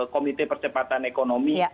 komite percepatan ekonomi